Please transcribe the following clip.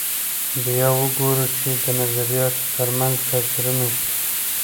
بیا وګورو چې د نظریاتو تر منځ توپیرونه شته.